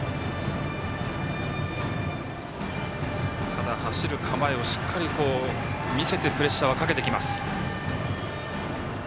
ただ走る構えをしっかり見せてプレッシャーは、かけてきます。